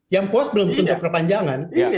yang pos belum tentu perpanjangan